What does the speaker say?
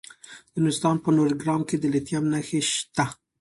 د نورستان په نورګرام کې د لیتیم نښې شته.